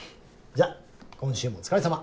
じゃあ今週もお疲れさま。